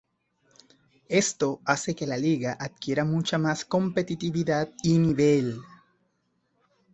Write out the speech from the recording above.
Esto hace que la liga adquiera mucha más competitividad y nivel.